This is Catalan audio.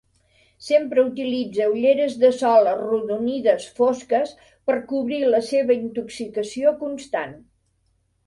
Sempre utilitza ulleres de sol arrodonides fosques per cobrir la seva intoxicació constant.